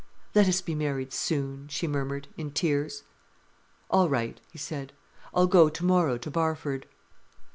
"Let us be married soon," she murmured, in tears. "All right," he said. "I'll go tomorrow to Barford."